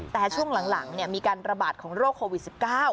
แต่ช่วงหลังมีการระบาดของโรคโควิด๑๙